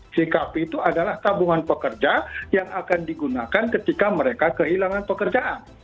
jkp itu adalah tabungan pekerja yang akan digunakan ketika mereka kehilangan pekerjaan